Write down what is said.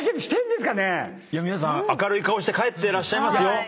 皆さん明るい顔して帰ってらっしゃいますよ。